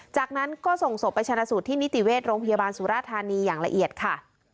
จากนั้นก็ส่งศพไปชนะสูตรที่นิติเวชโรงพยาบาลสุราธานีอย่างละเอียดค่ะ